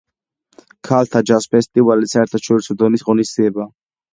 ქალთა ჯაზ ფესტივალი საერთაშორისო დონის ღონისძიებაა.